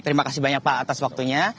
terima kasih banyak pak atas waktunya